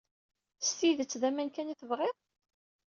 S tidet d aman kan i tebɣiḍ?